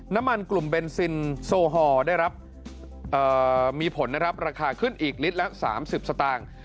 น้ำมันกลุ่มเบนซินโซฮอลได้รับมีผลนะครับราคาขึ้นอีกลิตรละ๓๐สตางค์